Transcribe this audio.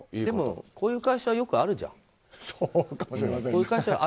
でも、こういう会社はよくあるじゃん。